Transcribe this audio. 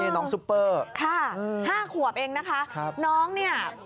น้องซุปะค่ะ๕ขวบเองนะคะ